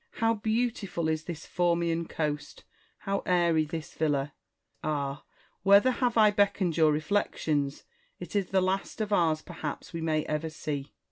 How beautiful is this Formian coast ! how airy this villa ! Ah, whether have I beckoned your reflections !— it is the last of ours perhaps we may ever see.